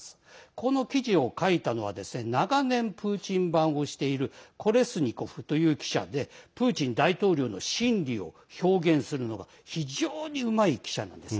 この記事を書いたのは長年、プーチン番をしているコレスニコフという記者でプーチン大統領の心理を表現するのが非常にうまい記者なんです。